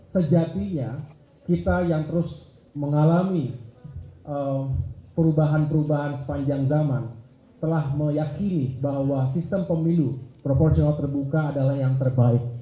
sejatinya kita yang terus mengalami perubahan perubahan sepanjang zaman telah meyakini bahwa sistem pemilu proporsional terbuka adalah yang terbaik